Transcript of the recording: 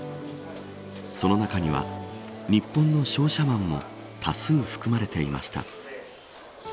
その中には日本の商社マンも多数含まれていました。